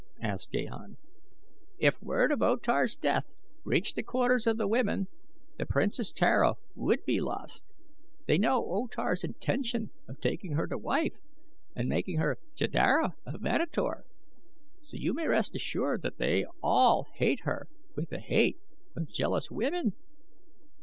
asked Gahan. "If word of O Tar's death reached the quarters of the women the Princess Tara would be lost. They know O Tar's intention of taking her to wife and making her Jeddara of Manator, so you may rest assured that they all hate her with the hate of jealous women.